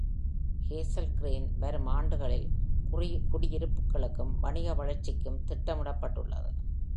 Hazel Green வரும் ஆண்டுகளில் குடியிருப்புகளுக்கும் வணிக வளர்ச்சிக்கும் திட்டமிடப்பட்டுள்ளது.